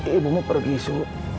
ibumu pergi so